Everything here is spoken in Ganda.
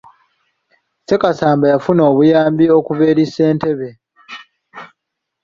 Ssekasamba yafuna obuyambi okuva eri ssentebe.